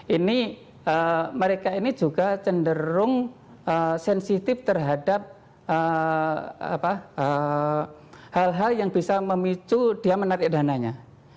ini mereka ini juga cenderung sensitif terhadap hal hal yang bisa memicu dia menarik dananya